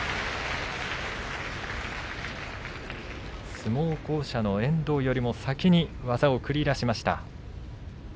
相撲巧者の遠藤よりも先に技を繰り出しました。